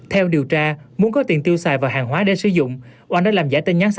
theo điều tra muốn có tiền tiêu xài và hàng hóa để sử dụng oanh đã làm giả tin nhắn